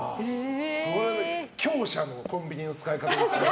強者のコンビニの使い方ですね。